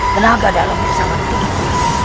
tenaga dalamku sangat butuh